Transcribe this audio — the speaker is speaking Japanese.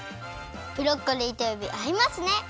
ブロッコリーとえびあいますね。